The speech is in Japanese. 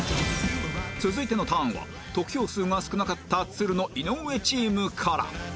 続いてのターンは得票数が少なかったつるの井上チームから